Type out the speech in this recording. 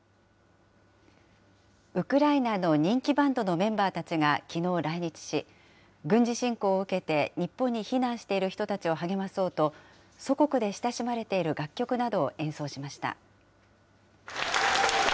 ウクライナの人気バンドのメンバーたちがきのう来日し、軍事侵攻を受けて日本に避難している人たちを励まそうと、祖国で親しまれている楽曲などを演奏しました。